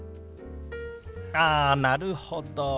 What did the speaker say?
あなるほど。